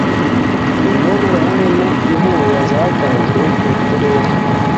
imbonerahamwe no… inkunga zatanzwe m’uturere